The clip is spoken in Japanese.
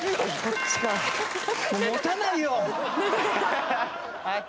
持たないよ。